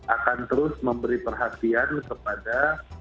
akan terus memberi perhatian kepada